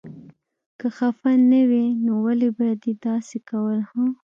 که خفه نه وې نو ولې به دې داسې کول هه.